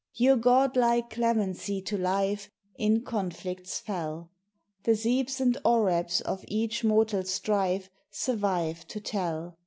Your god like clemency to life, In conflicts fell; The Zeebs and Orebs of each mortal strife, Survive to tell.